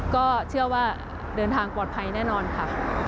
ก็เชื่อว่าเดินทางปลอดภัยแน่นอนค่ะ